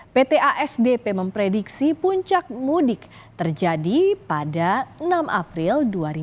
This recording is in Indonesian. pt asdp memprediksi puncak mudik terjadi pada enam april dua ribu dua puluh